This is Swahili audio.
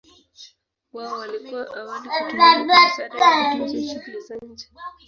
Wao walikuwa awali kutumika kwa msaada wa kituo cha shughuli za nje.